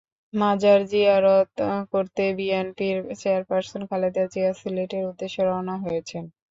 মাজার জিয়ারত করতে বিএনপির চেয়ারপারসন খালেদা জিয়া সিলেটের উদ্দেশে রওনা হয়েছেন।